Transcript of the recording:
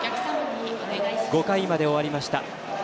５回まで終わりました。